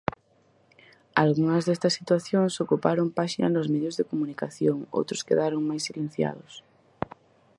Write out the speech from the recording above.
Algunhas destas situacións ocuparon páxinas nos medios de comunicación, outros quedaron máis silenciados.